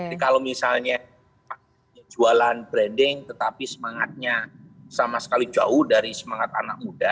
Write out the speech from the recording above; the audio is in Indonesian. jadi kalau misalnya jualan branding tetapi semangatnya sama sekali jauh dari semangat anak muda